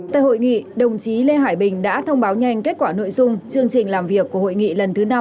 tại hội nghị đồng chí lê hải bình đã thông báo nhanh kết quả nội dung chương trình làm việc của hội nghị lần thứ năm